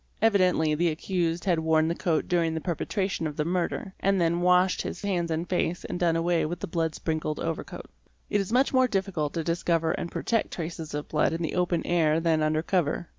Evidently the accused had worn the coat during the perpetration of the murder, and had then washed his hands and face and done away with the blood sprinkled overcoat. It is much more difficult to discover and protect traces of blood in the open air than under cover.